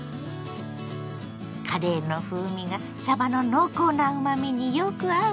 カレーの風味がさばの濃厚なうまみによく合うソテー。